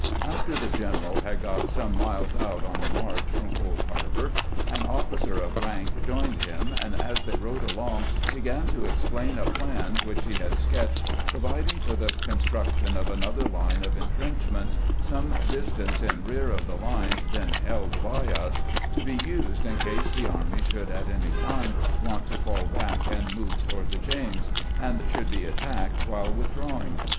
After the general had got some miles out on the march from Cold Harbor, an officer of rank joined him, and as they rode along began to explain a plan which he had sketched, providing for the construction of another line of intrenchments, some distance in rear of the lines then held by us, to be used in case the army should at any time want to fall back and move toward the James, and should be attacked while withdrawing.